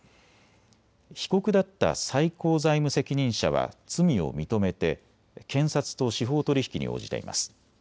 被告だった最高財務責任者は罪を認めて検察と司法取引に応じています。